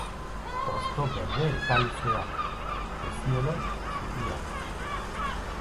Hosto berde eta luzeak, peziolo zuriak.